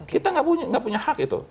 kita nggak punya hak itu